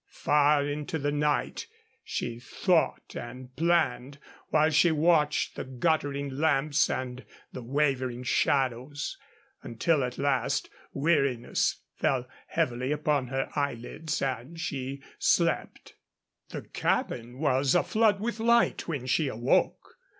Far into the night she thought and planned, while she watched the guttering lamps and the wavering shadows, until at last weariness fell heavily upon her eyelids and she slept. The cabin was aflood with light when she awoke.